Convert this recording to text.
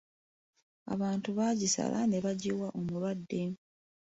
Abantu baagisala nebagyiwa omulwadde.